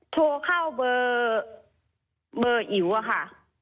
โทรเข้าเบอร์อิ๋วอะค่ะ